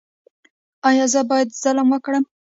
ایا زه باید ظلم وکړم؟